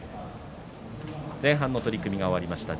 前半の取組が終わりました